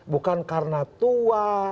bukan karena tua